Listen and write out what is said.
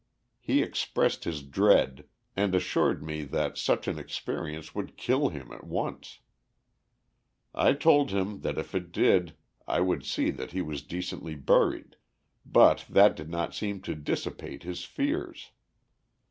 He expressed his dread, and assured me that such an experience would kill him at once. I told him that if it did I would see that he was decently buried, but that did not seem to dissipate his fears.